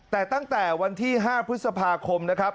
แต่ตั้งแต่วันที่๕พฤษภาคมนะครับ